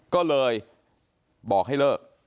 ก็เลยบอกให้เลิก